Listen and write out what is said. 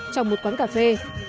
trong một quán cà phê